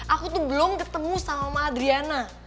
aku tuh belum ketemu sama mama adrian